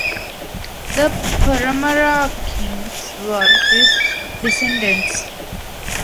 The Paramara kings were his descendants.